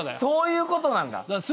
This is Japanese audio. そういうことなんだ。